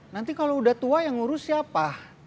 nanti kalau udah tua yang ngurus siapa